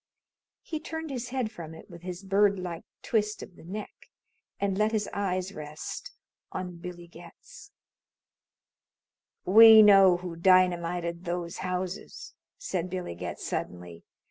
He turned his head from it with his bird like twist of the neck and let his eyes rest on Billy Getz. "We know who dynamited those houses!" said Billy Getz suddenly.